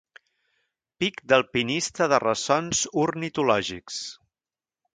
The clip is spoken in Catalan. Pic d'alpinista de ressons ornitològics.